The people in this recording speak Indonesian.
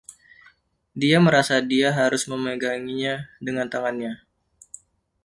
Dia merasa dia harus memeganginya dengan tangannya.